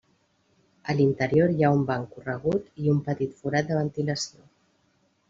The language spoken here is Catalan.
A l'interior hi ha un banc corregut i un petit forat de ventilació.